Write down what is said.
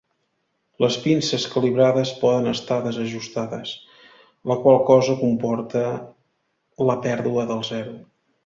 Les pinces calibrades poden estar desajustades, la qual cosa comporta la pèrdua del zero.